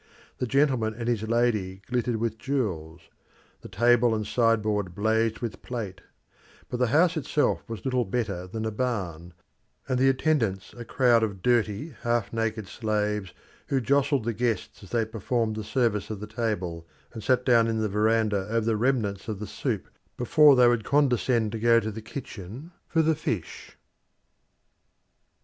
The gentleman and his lady glittered with jewels; the table and sideboard blazed with plate; but the house itself was little better than a barn, and the attendants a crowd of dirty, half naked slaves who jostled the guests as they performed the service of the table, and sat down in the verandah over the remnants of the soup before they would condescend to go to the kitchen for the fish.